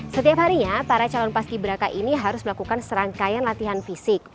setiap harinya para calon paski beraka ini harus melakukan serangkaian latihan fisik